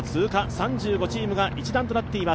３５チームが一団となっています。